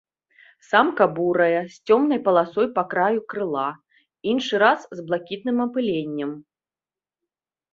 Самка бурая з цёмнай палосай па краю крыла, іншы раз з блакітным апыленнем.